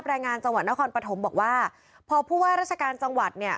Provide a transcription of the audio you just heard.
แรงงานจังหวัดนครปฐมบอกว่าพอผู้ว่าราชการจังหวัดเนี่ย